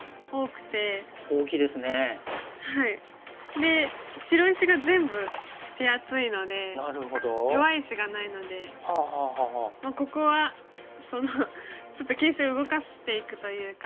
で白石が全部手厚いので弱い石がないのでもうここはそのちょっと形勢を動かしていくというか。